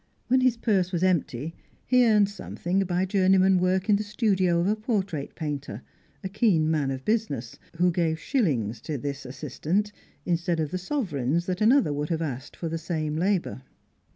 When his purse was empty he earned something by journeyman work in the studio of a portrait painter, a keen man of business, who gave shillings to this assistant instead of the sovereigns that another would have asked for the same labour.